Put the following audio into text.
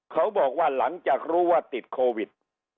เขาบอกว่าหลังจากรู้ว่าติดโควิด